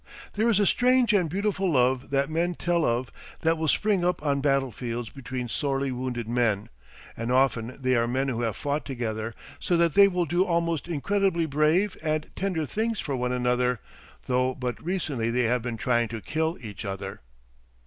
There is a strange and beautiful love that men tell of that will spring up on battlefields between sorely wounded men, and often they are men who have fought together, so that they will do almost incredibly brave and tender things for one another, though but recently they have been trying to kill each other.